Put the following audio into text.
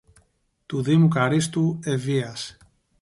του Δήμου Καρύστου Ευβοίας